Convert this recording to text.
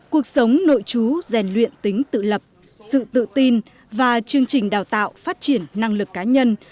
cuộc sống nội chú rèn luyện tính tự lập sự tự tin và chương trình đào tạo phát triển năng lực cá nhân